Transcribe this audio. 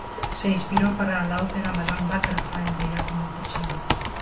Se inspiró para la ópera "Madama Butterfly" de Giacomo Puccini.